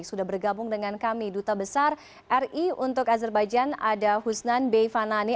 sudah bergabung dengan kami duta besar ri untuk azerbajan ada husnan b fanani